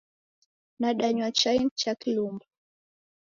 Nadanywa chai cha kilumbwa